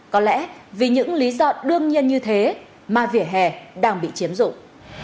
có lẽ vì những lý do đương nhiên như thế mà vỉa hè đang bị chiếm dụng